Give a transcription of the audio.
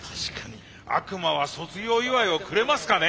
悪魔は卒業祝をくれますかね。